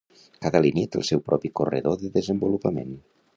Cada línia té el seu propi corredor de desenvolupament.